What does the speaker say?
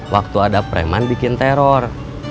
waktu ada preman bikin teror